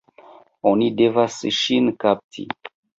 Oni devas ŝin kapti!